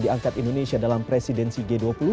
diangkat indonesia dalam presidensi g dua puluh